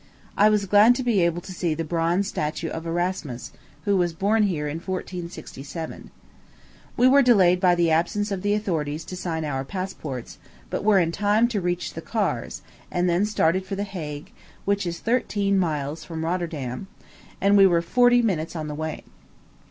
I was glad to be able to see the bronze statue of Erasmus, who was born here in 1467. We were delayed by the absence of the authorities to sign our passports, but were in time to reach the ears, and then started for the Hague, which is thirteen miles from Rotterdam; and we were forty minutes on the way.